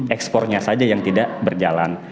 ekspornya saja yang tidak berjalan